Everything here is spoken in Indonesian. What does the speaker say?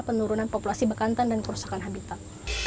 penurunan populasi bekantan dan kerusakan habitat